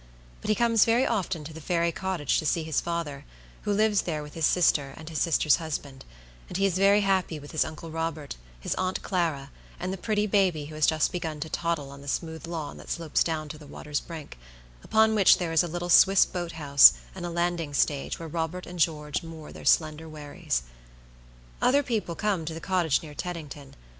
But he comes very often to the fairy cottage to see his father, who lives there with his sister and his sister's husband; and he is very happy with his Uncle Robert, his Aunt Clara, and the pretty baby who has just begun to toddle on the smooth lawn that slopes down to the water's brink, upon which there is a little Swiss boat house and landing stage where Robert and George moor their slender wherries. Other people come to the cottage near Teddington.